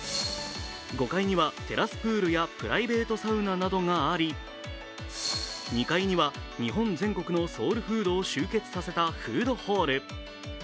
５階にはテラスプールやプライベートサウナなどがあり、２階には日本全国のソウルフードを集結させたフードホール。